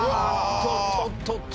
とっとっとっと。